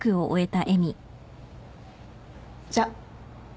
じゃあ。